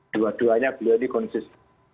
dua duanya beliau ini konsisten